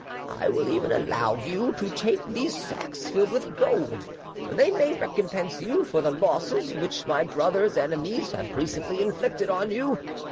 I will even allow you to take these sacks filled with gold; they may recompense you for the losses which my brother's enemies have recently inflicted on you.